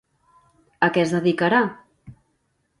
A què es dedicarà?